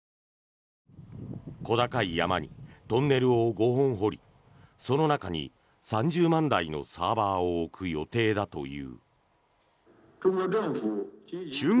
小高い山にトンネルを５本掘りその中に３０万台のサーバーを置く予定だという。